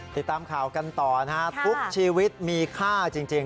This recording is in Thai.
ติดตามข่าวกันต่อนะฮะทุกชีวิตมีค่าจริง